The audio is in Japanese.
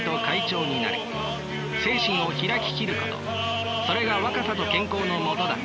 精神をひらききることそれが若さと健康のもとだ。